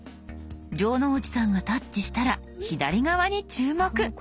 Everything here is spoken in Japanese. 城之内さんがタッチしたら左側に注目。